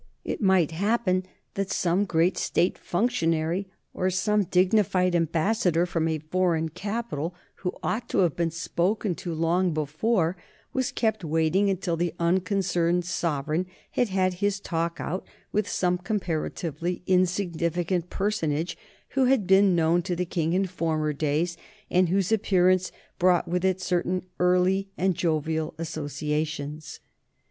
It might happen that some great State functionary or some dignified ambassador from a foreign capital, who ought to have been spoken to long before, was kept waiting until the unconcerned sovereign had had his talk out with some comparatively insignificant personage who had been known to the King in former days, and whose appearance brought with it certain early and jovial associations.